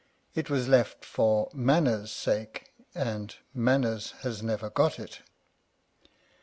It was left for " manners " sake, and manners has never got it.